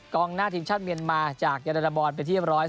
กล้องหน้าทีมชาติเมียนมาจากยันดะบอลไปที่เยอะร้อย